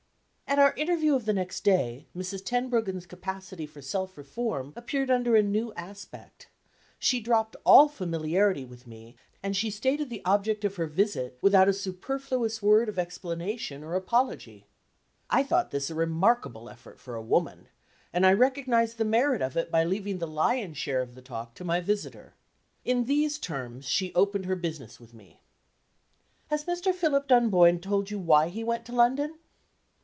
At our interview of the next day, Mrs. Tenbruggen's capacity for self reform appeared under a new aspect. She dropped all familiarity with me, and she stated the object of her visit without a superfluous word of explanation or apology. I thought this a remarkable effort for a woman; and I recognized the merit of it by leaving the lion's share of the talk to my visitor. In these terms she opened her business with me: "Has Mr. Philip Dunboyne told you why he went to London?"